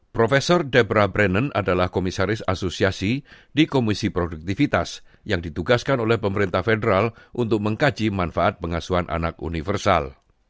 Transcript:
profesor debra brand adalah komisaris asosiasi di komisi produktivitas yang ditugaskan oleh pemerintah federal untuk mengkaji manfaat pengasuhan anak universal